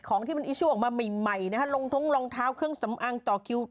ของที่มันอีชั่วออกมาใหม่นะฮะลงท้องรองเท้าเครื่องสำอางต่อคิว